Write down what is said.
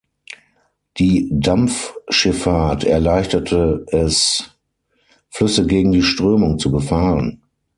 Die Dampfschifffahrt erleichterte es, Flüsse gegen die Strömung zu befahren.